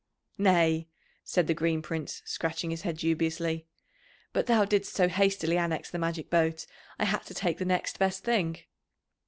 "Nay," said the Green Prince, scratching his head dubiously. "But thou didst so hastily annex the magic boat, I had to take the next best thing."